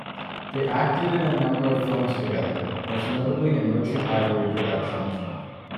They acted in a number of films together, most notably in Merchant Ivory productions.